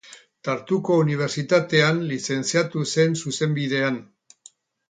Tartuko Unibertsitatean lizentziatu zen Zuzenbidean.